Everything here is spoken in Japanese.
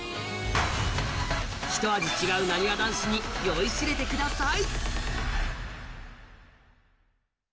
ひと味違うなにわ男子に酔いしれてください。